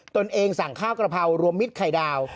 ตนเองสั่งข้าวกระเพรารวมมิตรไข่ดาว